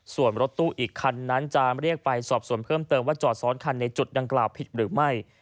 ส่วนรถตู้อีกคันนั้นจะเรียกไปสอบส่วนเพิ่มเติมว่าจอดซ้อนคันในจุดดังกล่าวผิดหรือไม่